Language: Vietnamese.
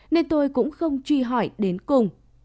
nên tôi cũng không truy hỏi đến cùng